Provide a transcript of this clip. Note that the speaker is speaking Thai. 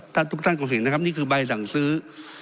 ทุกท่านคงสินนะครับนี่คือใบสั่งซื้อ